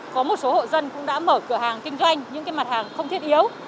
có một số hộ dân cũng đã mở cửa hàng kinh doanh những mặt hàng không thiết yếu